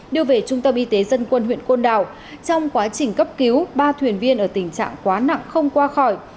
đưa về trung tâm y tế dân quân huyện côn đảo trong quá trình cấp cứu ba thuyền viên ở tình trạng quá nặng không qua khỏi